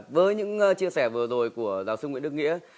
với những chia sẻ vừa rồi của giáo sư nguyễn đức nghĩa